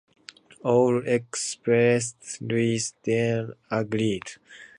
All except Louis Durey agreed.